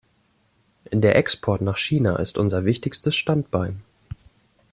Der Export nach China ist unser wichtigstes Standbein.